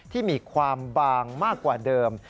ที่มีความบางมากกว่าเดิม